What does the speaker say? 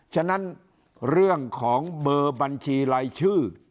ฉะนั้นเรื่องของเบอร์บัญชีรายชื่อ